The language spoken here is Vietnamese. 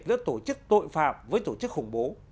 giữa tổ chức tội phạm với tổ chức khủng bố